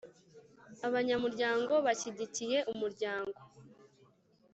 abanyamuryango bashyigikiye Umuryango